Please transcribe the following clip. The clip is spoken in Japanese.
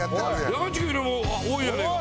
山内家よりも多いじゃねえか。